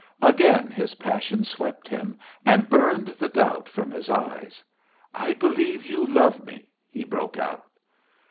Again his passion swept him, and burned the doubt from his eyes. "I believe you love me!" he broke out.